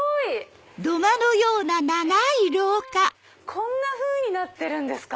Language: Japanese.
こんなふうになってるんですか！